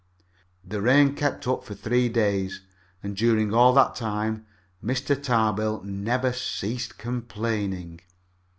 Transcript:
The rain kept up for three days, and during all that time Mr. Tarbill never ceased complaining.